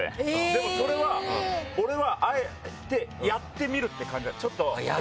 でもそれは俺はあえてやってみるって感じ。